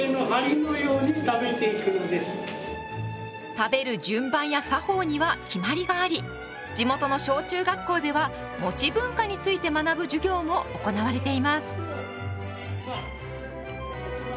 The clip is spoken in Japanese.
食べる順番や作法には決まりがあり地元の小中学校ではもち文化について学ぶ授業も行われています。